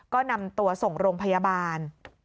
ก็นำตัวส่งโรงพยาบาล